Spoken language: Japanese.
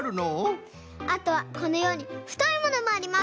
あとはこのようにふといものもあります。